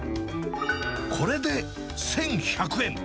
これで１１００円。